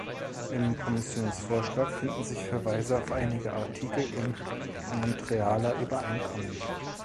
Im Kommissionsvorschlag finden sich Verweise auf einige Artikel im Montrealer Übereinkommen.